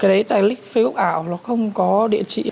cái đấy tại lịch facebook ảo nó không có địa chỉ